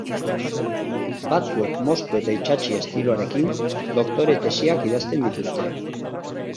Batzuek moztu eta itsatsi estiloarekin doktore tesiak idazten dituzte.